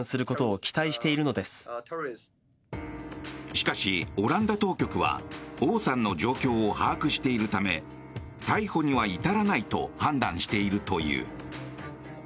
しかし、オランダ当局はオウさんの状況を把握しているため逮捕には至らないと判断しているという。